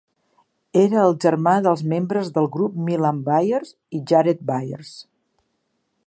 Era el germà dels membres del grup Milam Byers i Jared Byers.